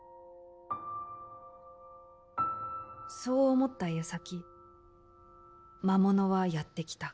そう思ったやさき魔物はやって来た。